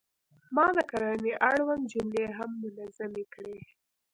ما د کرنې اړوند جملې هم منظمې کړې.